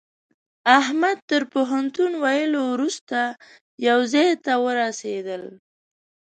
احمد تر پوهنتون ويلو روسته يوه ځای ته ورسېدل.